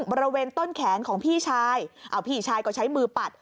บริเวณต้นแขนของพี่ชายพี่ชายก็ใช้มือปัด